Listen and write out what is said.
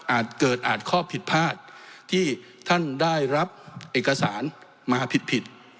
เกิดอาจข้อผิดพลาดที่ท่านได้รับเอกสารมาผิด